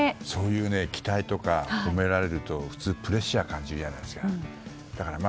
そういう期待とか褒められると普通、プレッシャーを感じるじゃないですか。